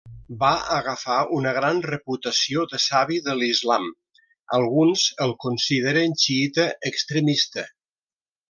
Va agafar una gran reputació de savi de l'islam; alguns el consideren xiïta extremista.